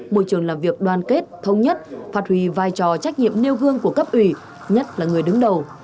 môi trường làm việc đoàn kết thống nhất phát huy vai trò trách nhiệm nêu gương của cấp ủy nhất là người đứng đầu